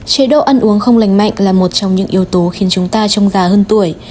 chế độ ăn uống không lành mạnh là một trong những yếu tố khiến chúng ta trong già hơn tuổi